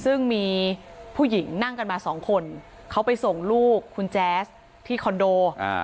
ซึ่งมีผู้หญิงนั่งกันมาสองคนเขาไปส่งลูกคุณแจ๊สที่คอนโด